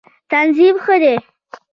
تنظیم ښه دی.